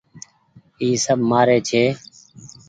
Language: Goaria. اي سب مهآري ڇي